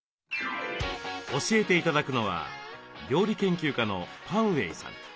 教えて頂くのは料理研究家のパン・ウェイさん。